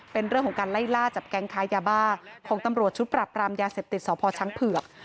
เป็นเรื่องของการไล่ล่าจับแก๊งค้ายาบ้าของตำรวจชุดปรับรามยาเสพติดสพช้างเผือก